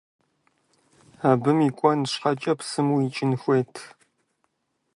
Абы укӏуэн щхьэкӏэ псым уикӏын хуейт.